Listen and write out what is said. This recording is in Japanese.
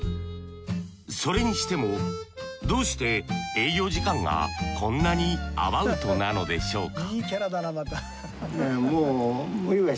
それにしてもどうして営業時間がこんなにアバウトなのでしょうか？